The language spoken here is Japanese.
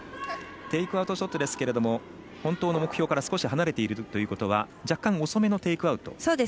テイクアウトショットですけども本当に目標から少し離れているということは若干、遅めのテイクアウト。